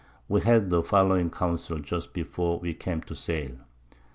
We held the following Council just before we came to sail.